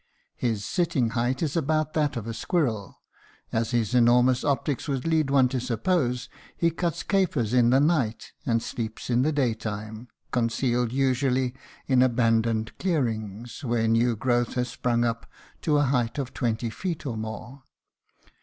His sitting height is about that of a squirrel. As his enormous optics would lead one to suppose, he cuts capers in the night and sleeps in the daytime, concealed usually in abandoned clearings, where new growth has sprung up to a height of twenty feet or more.